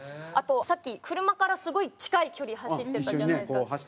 あとさっき車からすごい近い距離走ってたじゃないですか。